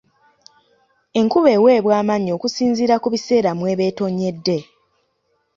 Enkuba eweebwa amannya okusinziira ku biseera mweba etonnyedde.